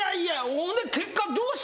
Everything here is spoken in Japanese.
ほんで結果どうしたの？